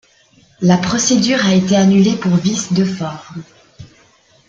La procédure a été annulée pour vice de forme.